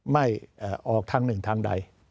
ไม่ออกทางหนึ่งทางใด